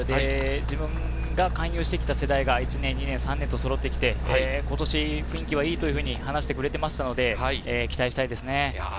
自分が勧誘してきた世代が１年、２年、３年とそろって今年、雰囲気はいいと話してくれていましたので、期待したいですね。